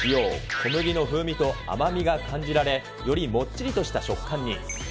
小麦の風味と甘みが感じられ、よりもっちりとした食感に。